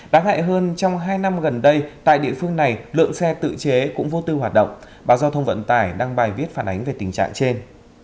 đáng hại hơn trong hai năm gần đây tại địa phương này lượng xe tự chế cũng vô tư hoạt động báo giao thông vận tải đăng bài viết phản ánh về tình trạng trên